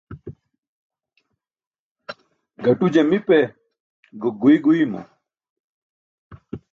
Gaṭu jamipe, gok guiy guymo.